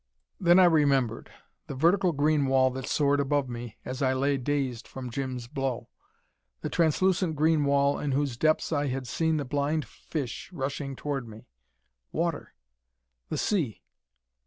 Then I remembered. The vertical green wall that soared above me as I lay dazed from Jim's blow. The translucent green wall in whose depths I had seen the blind fish rushing toward me. Water! The sea!